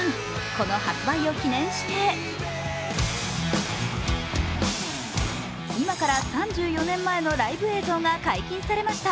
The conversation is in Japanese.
この発売を記念して今から３４年前のライブ映像が解禁されました。